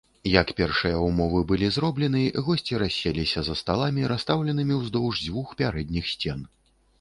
Як першыя ўмовы былі зроблены, госці расселіся за сталамі, расстаўленымі ўздоўж дзвюх пярэдніх сцен.